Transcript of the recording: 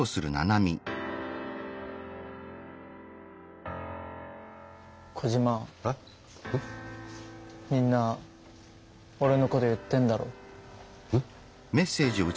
みんなオレのこと言ってんだろう？え？